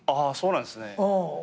あそうなんですね。